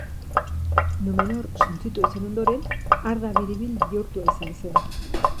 Numenor suntsitua izan ondoren, Arda biribil bihurtua izan zen.